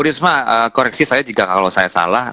bu risma koreksi saya jika kalau saya salah